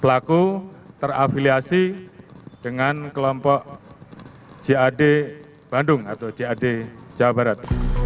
pelaku terafiliasi dengan kelompok jad bandung atau jad jawa barat